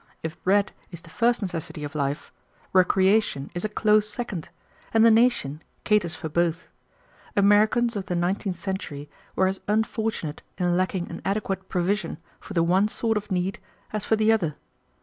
If bread is the first necessity of life, recreation is a close second, and the nation caters for both. Americans of the nineteenth century were as unfortunate in lacking an adequate provision for the one sort of need as for the other.